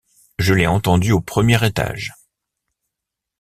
Je l'ai entendue au premier étage.